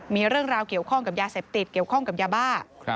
มีเรื่องราวเกี่ยวข้องกับยาเสพติดเกี่ยวข้องกับยาบ้า